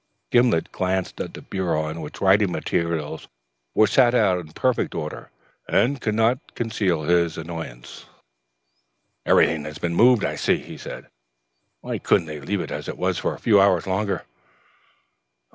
Gimblet glanced at the bureau on which the writing materials were set out in perfect order, and could not conceal his annoyance. "Everything has been moved, I see," he said. "Why couldn't they leave it as it was for a few hours longer?"